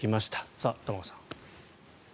さあ、玉川さん。